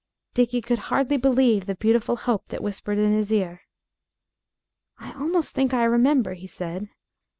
Dickie could hardly believe the beautiful hope that whispered in his ear. "I almost think I remember," he said.